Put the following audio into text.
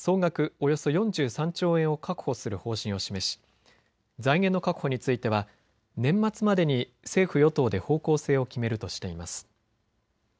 およそ４３兆円を確保する方針を示し財源の確保については年末までに政府与党で方向性を決めるとしています。